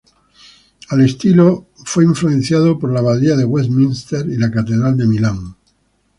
El estilo fue influenciado por la Abadía de Westminster y la Catedral de Milán.